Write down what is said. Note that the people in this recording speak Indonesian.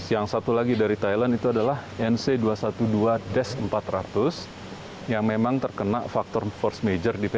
yang satu lagi dari thailand itu adalah nc dua ratus dua belas desk empat ratus yang memang terkena faktor force major di p tiga